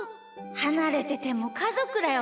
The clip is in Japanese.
はなれててもかぞくだよね！